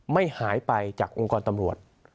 ไม่หายไปจากองค์กรตำรวจ